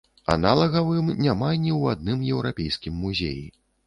Аналагаў ім няма ні ў адным еўрапейскім музеі!